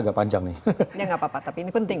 agak panjang nih ya nggak apa apa tapi ini penting